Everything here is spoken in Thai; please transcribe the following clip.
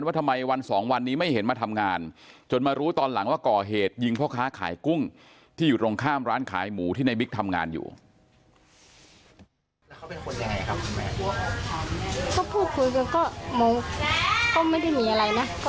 ฮส่วนต้องเวลาที่ผู้ถือมือของเราก็คือภูมินี้